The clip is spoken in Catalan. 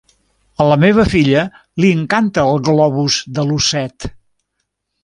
A la meva filla li encanta el globus de l"osset.